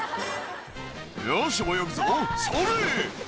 「よし泳ぐぞそれ！」